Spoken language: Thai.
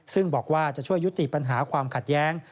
ซึ่งบอกว่าจะช่วยยุติปัญหาความขัดแย้ง